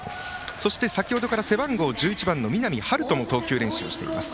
そして先程から背番号１１の南陽人も投球練習しています。